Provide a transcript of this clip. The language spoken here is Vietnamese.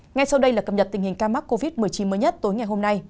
ngay sau đây là cập nhật tình hình ca mắc covid một mươi chín mới nhất tối ngày hôm nay